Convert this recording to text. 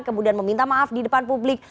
kemudian meminta maaf di depan publik